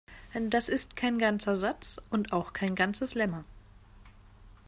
Das ist kein ganzer Satz und auch kein ganzes Lemma.